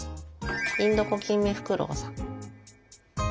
インドコキンメフクロウさん。